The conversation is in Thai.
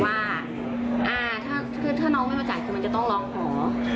ว่าอ่าถ้าคือถ้าน้องไม่มาจ่ายคือมันจะต้องลองหอ